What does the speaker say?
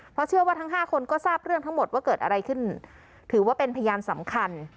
เพราะเชื่อว่าทั้งห้าคนก็ทราบเรื่องทั้งหมดว่าเกิดอะไรขึ้นถือว่าเป็นพยานสำคัญ